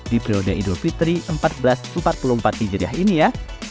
di periode idul fitri seribu empat ratus empat puluh empat hijriah ini ya